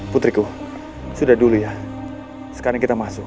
putriku sudah dulu ya sekarang kita masuk